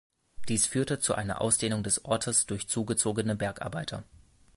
Dies führte zu einer Ausdehnung des Ortes durch zugezogene Bergarbeiter.